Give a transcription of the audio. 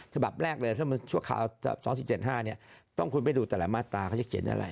ฉบับแรกเลยชั่วคราว๒๗๕ต้องคุณไปดูแต่ละมาตราเขาจะเขียนอะไร